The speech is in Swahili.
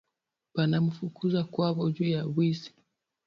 Bana mufukuza kwabo juya bwizi